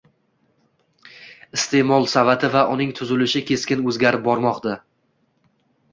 Iste'mol savati va uning tuzilishi keskin o'zgarib bormoqda